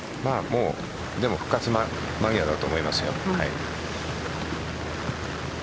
でも復活間際だと思いますよ。